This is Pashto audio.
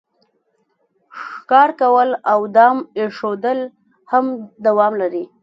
ښکار کول او دام ایښودل هم دوام لري